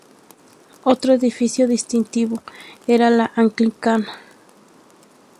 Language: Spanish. Otro edificio distintivo era la anglicana "St.